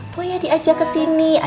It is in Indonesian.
pokoknya diajak ke sini